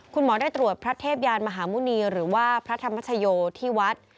คุณหมอได้ตรวจพระเทพยานมหาหมุณีหรือว่าพระธรรมชโยที่วัด